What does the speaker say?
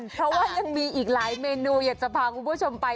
เพราะว่ายังมีอีกหลายเมนูอยากจะพาคุณผู้ชมไป